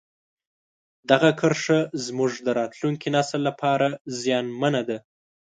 دغه کرښه زموږ د راتلونکي نسل لپاره زیانمنه ده.